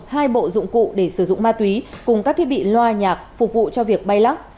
hai bộ dụng cụ để sử dụng ma túy cùng các thiết bị loa nhạc phục vụ cho việc bay lắc